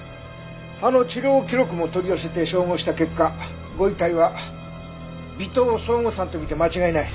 歯の治療記録も取り寄せて照合した結果ご遺体は尾藤奏吾さんと見て間違いない。